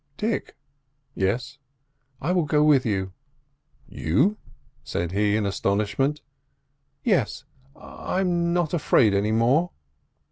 "Dick!" "Yes?" "I will go with you." "You!" said he in astonishment. "Yes, I'm—not afraid any more."